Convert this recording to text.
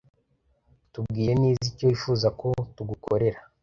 Tubwire neza icyo wifuza ko tugukorera.